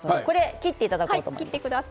切っていただこうと思います。